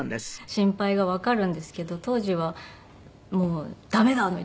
心配がわかるんですけど当時はもう「ダメだ！」の一点張りで。